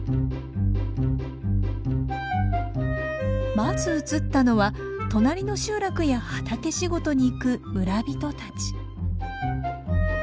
まず映ったのは隣の集落や畑仕事に行く村人たち。